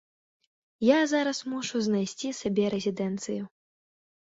Я зараз мушу знайсці сабе рэзідэнцыю.